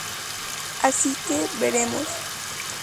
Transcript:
Así que, veremos.